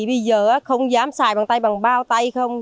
bây giờ không dám xài bằng tay bằng bao tay không